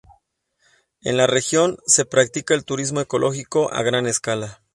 En la región se practica el turismo ecológico a gran escala.